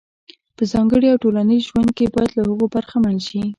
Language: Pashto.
په ځانګړي او ټولنیز ژوند کې باید له هغو برخمن شي.